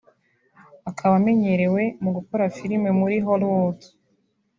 akaba amenyerewe mu gukora filimi muri Hollwood